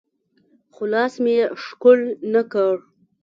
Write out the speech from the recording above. خو لاس مې يې ښکل نه کړ.